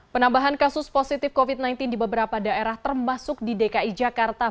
penambahan kasus positif covid sembilan belas di beberapa daerah termasuk di dki jakarta